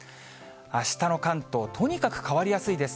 あしたの関東、とにかく変わりやすいです。